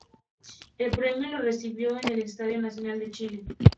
El premio lo recibió en el Estadio Nacional de Chile.